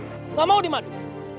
tidak mau dimadui